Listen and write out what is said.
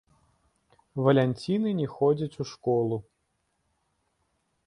Валянціны не ходзяць у школу.